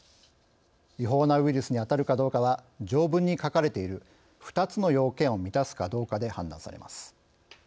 違法なウイルスにあたるかどうかは条文に書かれている２つの要件を満たすかどうかで判断されます。